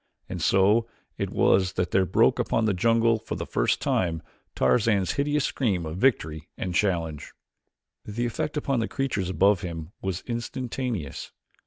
And so it was that there broke upon this jungle for the first time Tarzan's hideous scream of victory and challenge. The effect upon the creatures above him was instantaneous.